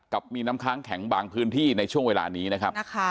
กับมีน้ำค้างแข็งบางพื้นที่ในช่วงเวลานี้นะครับ